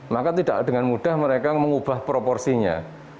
maka tidak dengan mudah mereka mengubah proporsinya